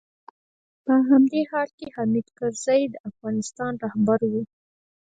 په همدې حال کې حامد کرزی د افغانستان رهبر و.